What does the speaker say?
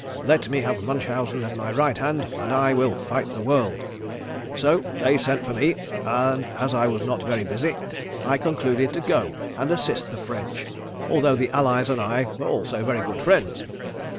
Let me have Munchausen at my right hand and I will fight the world.' So they sent for me and as I was not very busy I concluded to go and assist the French, although the allies and I were also very good friends.